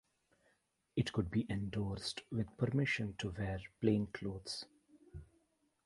It could be endorsed with permission to wear plain clothes.